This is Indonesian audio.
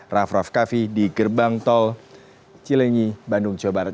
raff raff kaffi di gerbang tol cilenyi bandung jawa barat